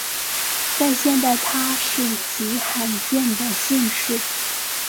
在现代它是极罕见的姓氏。